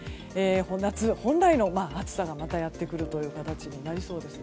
夏本来の暑さがまたやってくるという形になりそうです。